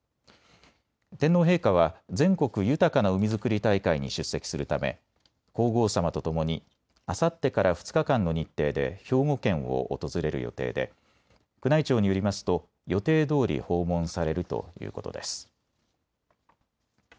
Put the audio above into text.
天皇陛下は全国豊かな海づくり大会に出席するため皇后さまとともにあさってから２日間の日程で兵庫県を訪れる予定で宮内庁によりますと予定どおり訪問されるということです。